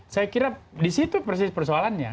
saya kira di situ persis persoalannya